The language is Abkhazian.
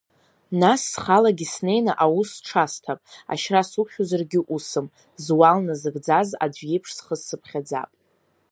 Нас схалагьы снеины аус сҽасҭап, ашьра сықәшәозаргьы усым, зуал назыгӡаз аӡә иеиԥш схы сыԥхьаӡап.